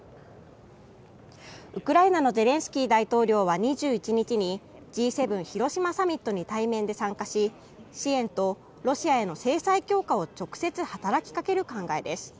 ウクライナのゼレンスキー大統領は２１日にＧ７広島サミットに対面で参加し支援とロシアへの制裁強化を直接働きかける考えです。